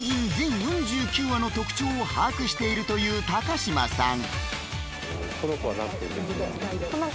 ペンギン全４９羽の特徴を把握しているという高嶋さん